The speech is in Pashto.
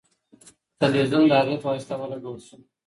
تلویزیون د هغې په واسطه ولګول شو.